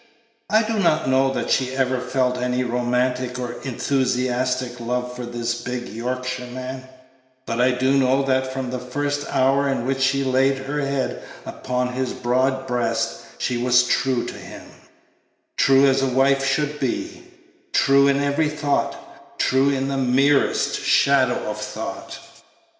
I do not know that she ever felt any romantic or enthusiastic love for this big Yorkshireman; but I do know that from the first hour in which she laid her head upon his broad breast she was true to him true as a wife should be; true in every thought, true in the merest shadow of a thought.